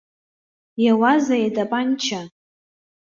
Иауазеи атапанча?!